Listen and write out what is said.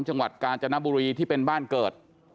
จังหวัดกาญจนบุรีที่เป็นบ้านเกิด